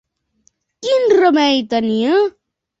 Quin remei tenia?